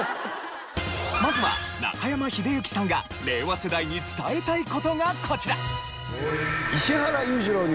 まずは中山秀征さんが令和世代に伝えたい事がこちら。